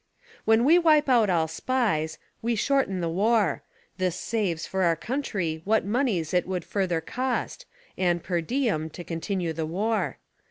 When we wipe out all SPIES, we shorten the war; this saves for our country what moneys it would further cost and, per diem, to continue the war.